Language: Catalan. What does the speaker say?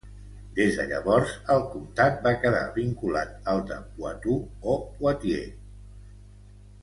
Des de llavors el comtat va quedar vinculat al de Poitou o Poitiers.